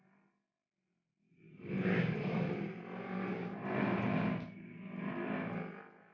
ray lu duluan aja ray biar gua yang ngalangi mereka